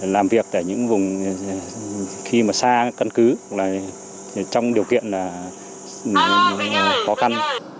làm việc tại những vùng khi mà xa cân cứ trong điều kiện là khó khăn